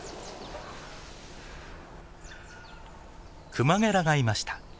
クマゲラがいました。